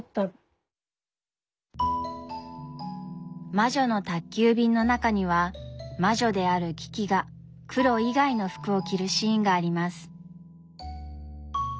「魔女の宅急便」の中には魔女であるキキが黒以外の服を着るシーンがあります。